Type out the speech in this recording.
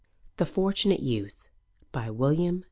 THE FORTUNATE YOUTH BY WILLIAM J.